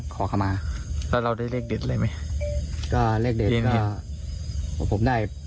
ขอขมาแล้วเราได้เลขเด็ดเลยมั้ย